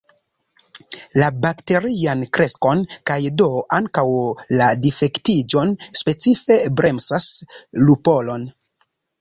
La bakterian kreskon kaj do ankaŭ la difektiĝon specife bremsas lupolon.